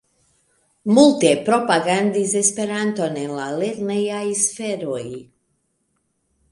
Multe propagandis Esperanton en la lernejaj sferoj.